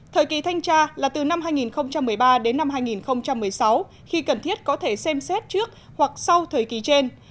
thời kỳ thanh tra là từ năm hai nghìn một mươi ba đến năm hai nghìn một mươi sáu khi cần thiết có thể xem xét trước hoặc sau thời kỳ trên